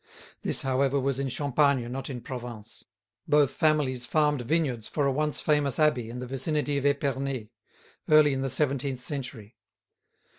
This, however, was in Champagne, not in Provence. Both families farmed vineyards for a once famous abbey in the vicinity of Epernay, early in the seventeenth century.